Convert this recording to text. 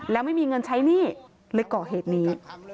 แล้วไม่มีเงินใช้หนี้เลยก่อเหตุนี้